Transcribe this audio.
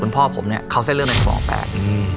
คุณพ่อผมเนี่ยเขาใช้เรื่องในสมองแปลก